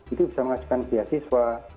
itu bisa mengajukan beasiswa